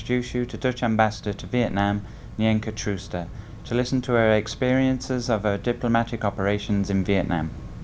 để cùng nghe bà chia sẻ những câu chuyện trong quá trình hoạt động ngoại giao tại việt nam